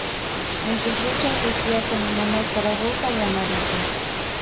En sus luchas vestía con una máscara roja y amarilla.